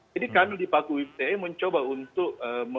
jadi kami di paku wipte mencoba untuk